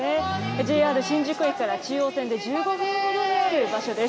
ＪＲ新宿駅から中央線で１５分ほどにある場所です。